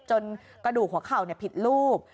กระดูกหัวเข่าผิดรูป